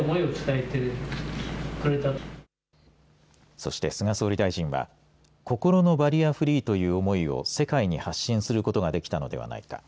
そして、菅総理大臣は心のバリアフリーという思いを世界に発信することができたのではないか。